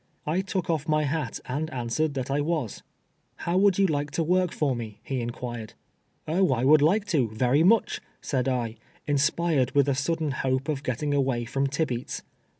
I took off my hat, and an swered tliat I was. " How would you like to work for me V he in quired. " Oh, I would like to, very much," said I, inspired ■with a sudden hope of getting away from Tibeats.